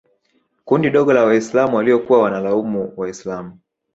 kundi dogo la Waislam waliokuwa wanawalaumu Waislam